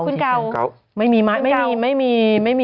เก่าเก่า